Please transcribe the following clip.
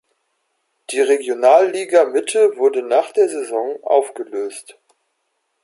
Die Regionalliga Mitte wurde nach der Saison aufgelöst.